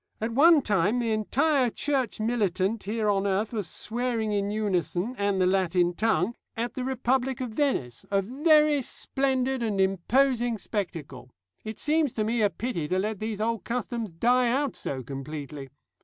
At one time the entire Church militant here on earth was swearing in unison, and the Latin tongue, at the Republic of Venice a very splendid and imposing spectacle. It seems to me a pity to let these old customs die out so completely.